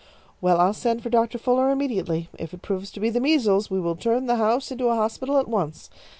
"Well, I'll send for Doctor Fuller immediately. If it proves to be the measles, we will turn the house into a hospital at once.